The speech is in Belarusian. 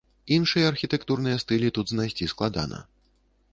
Іншыя архітэктурныя стылі тут знайсці складана.